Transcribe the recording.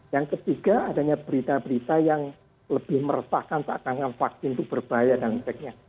yang ketiga adanya berita berita yang lebih meresahkan seakan akan vaksin itu berbahaya dan sebagainya